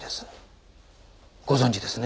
ご存じですね？